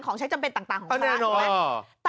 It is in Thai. ของใช้จำเป็นต่างของพระ